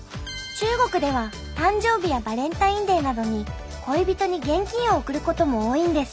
中国では誕生日やバレンタインデーなどに恋人に現金を贈ることも多いんです。